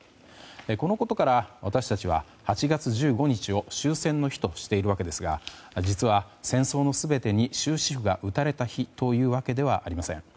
このことから私たちは８月１５日を終戦の日としていることですけども実は戦争の全てに終止符が打たれた日というわけではありません。